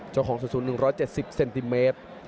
เจ้าของสูตร๑๑๗เซนติเมตร